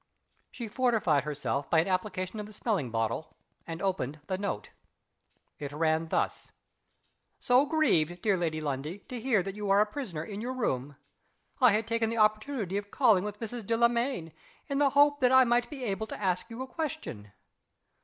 She fortified herself by an application of the smelling bottle, and opened the note. It ran thus: "So grieved, dear Lady Lundie, to hear that you are a prisoner in your room! I had taken the opportunity of calling with Mrs. Delamayn, in the hope that I might be able to ask you a question.